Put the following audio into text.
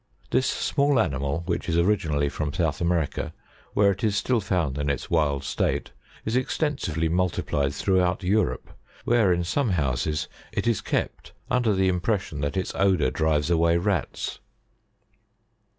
This small animal, which is originally from South America, where it is still found in its wild state, is exten sively multiplied throughout Europe, where, in some houses, it is kept, under the impression that its odour drives away rats.